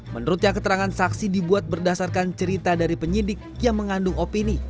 menurutnya keterangan saksi dibuat berdasarkan cerita dari penyidik yang mengandung opini